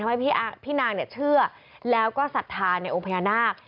ทำให้พี่นางเชื่อแล้วก็สัตว์ธานในองค์พญานาค